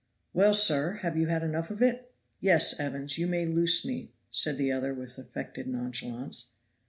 "Well, sir, have you had enough of it?" "Yes, Evans; you may loose me," said the other with affected nonchalance.